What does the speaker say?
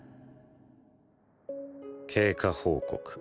経過報告。